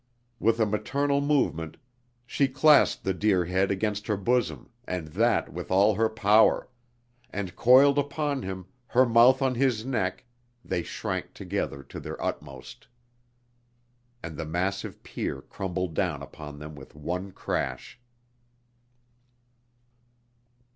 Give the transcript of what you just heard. With a maternal movement she clasped the dear head against her bosom and that with all her power; and, coiled upon him, her mouth on his neck, they shrank together to their utmost. And the massive pier crumbled down upon them with one crash.